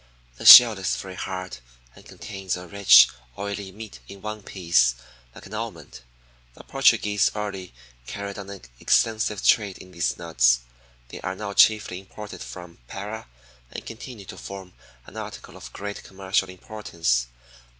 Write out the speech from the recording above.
The shell is very hard, and contains a rich, oily meat in one piece like an almond. The Portuguese early carried on an extensive trade in these nuts. They are now chiefly imported from Para, and continue to form an article of great commercial importance.